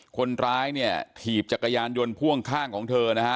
คนร้ายเนี่ยถีบจักรยานยนต์พ่วงข้างของเธอนะฮะ